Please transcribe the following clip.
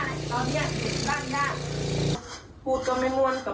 พูดก็ไม่ม่วนกับลูกพูดยาก็ไม่ดีกับลูกขอลูกไปแล้วยากหา